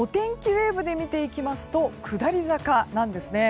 ウェーブで見ていきますと下り坂なんですね。